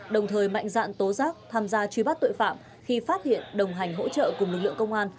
đồng thời mạnh dạng tố giác tham gia truy bắt tội phạm khi phát hiện đồng hành hỗ trợ cùng lực lượng công an